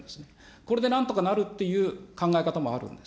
これでなんとかなるという考え方もあるんです。